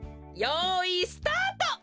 よいスタート！